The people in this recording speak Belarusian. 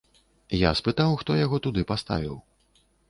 Я спытаў, хто яго туды паставіў.